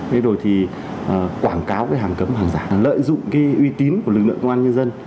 để rồi thì quảng cáo hàng cấm hàng giả lợi dụng uy tín của lực lượng công an nhân dân